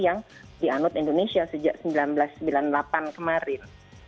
yang dianut indonesia sejak seribu sembilan ratus sembilan puluh delapan kemarin